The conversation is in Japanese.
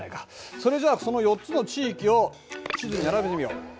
それじゃあその４つの地域を地図に並べてみよう。